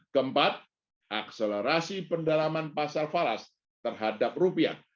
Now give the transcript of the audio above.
keempat akselerasi pendalaman pasal falas terhadap rupiah